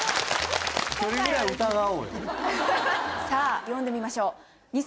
さあ呼んでみましょう。